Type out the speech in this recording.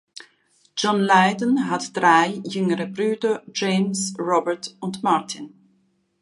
John Lydon hat drei jüngere Brüder, James, Robert und Martin.